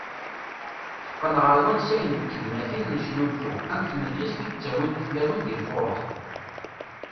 Teqqen ɣer wansayen d tegnatin n usnulfu ,am tmedyazt i d -ttawint tlawin deg lfuruh.